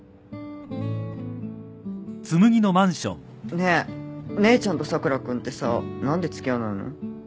ねえ姉ちゃんと佐倉君ってさ何で付き合わないの？